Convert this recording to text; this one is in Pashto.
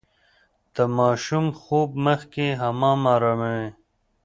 د ماشوم خوب مخکې حمام اراموي.